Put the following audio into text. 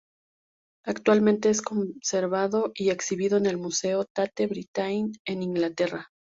Actualmente es conservado y exhibido en el museo Tate Britain en Inglaterra.